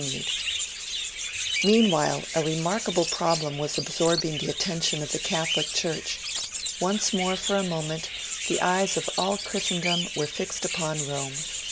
VII MEANWHILE, a remarkable problem was absorbing the attention of the Catholic Church. Once more, for a moment, the eyes of all Christendom were fixed upon Rome.